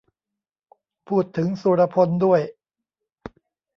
พูดถึงสุรพลด้วย